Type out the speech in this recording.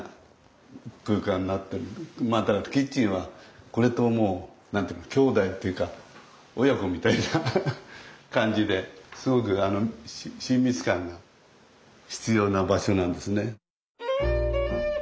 またキッチンはこれともう何て言うか兄弟というか親子みたいな感じですごく親密感が必要な場所なんですね。